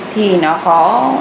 thì nó có